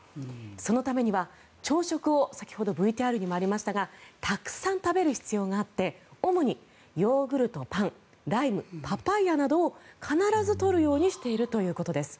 そのためには朝食を先ほどＶＴＲにもありましたがたくさん食べる必要があって主にヨーグルト、パンライム、パパイヤなどを必ず取るようにしているということです。